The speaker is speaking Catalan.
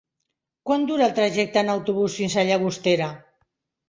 Quant dura el trajecte en autobús fins a Llagostera?